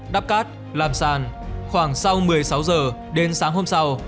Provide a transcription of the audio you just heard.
đắp cát làm sàn khoảng sau một mươi sáu giờ đến sáng hôm sau